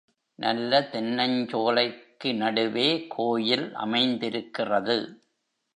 நல்ல தென்னஞ்சோலைக்கு நடுவே கோயில் அமைந்திருக்கிறது.